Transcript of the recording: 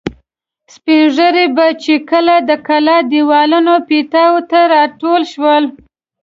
سپین ږیري به چې کله د کلا دېوالونو پیتاوو ته را ټول شول.